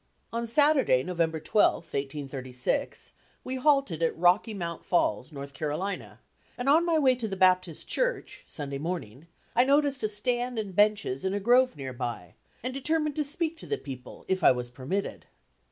On Saturday, November 12, 1836, we halted at Rocky Mount Falls, North Carolina, and on my way to the Baptist Church, Sunday morning, I noticed a stand and benches in a grove near by, and determined to speak to the people if I was permitted.